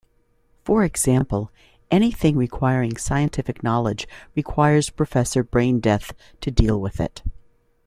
For example, anything requiring scientific knowledge requires Professor Braindeath to deal with it.